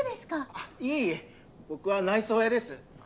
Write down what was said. あっいえいえ僕は内装屋です。